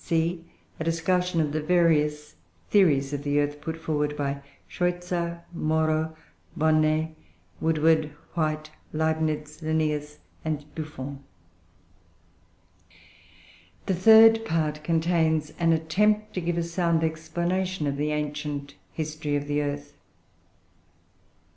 C. A discussion of the various theories of the earth put forward by Scheuchzer, Moro, Bonnet, Woodward, White, Leibnitz, Linnaeus, and Buffon. The third part contains an "Attempt to give a sound explanation of the ancient history of the earth."